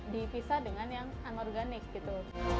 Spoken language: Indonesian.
dipisah dengan yang anorganik gitu